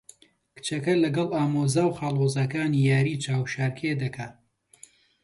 کچەکە لەگەڵ ئامۆزا و خاڵۆزاکانی یاریی چاوشارکێ دەکا.